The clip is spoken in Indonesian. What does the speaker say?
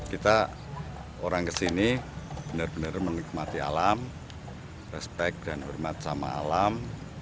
kita orang kesini benar benar menikmati alam respect dan hormat sama alam